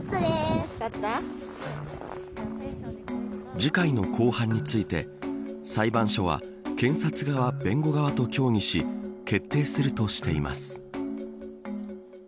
次回の公判について裁判所は検察側、弁護側と協議し決定するとしています。